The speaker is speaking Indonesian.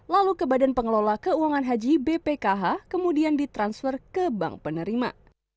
lalu ke badan pengelola keuangan haji bpkh kemudian ditransfer ke bank penerima